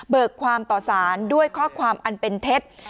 ความต่อสารด้วยข้อความอันเป็นเท็จ